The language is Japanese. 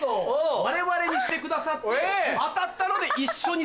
我々にしてくださって当たったので一緒に参加と。